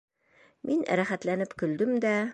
Мин рәхәтләнеп көлдөм дә: